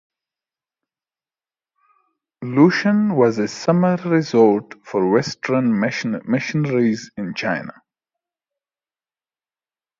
Lushan was a summer resort for Western missionaries in China.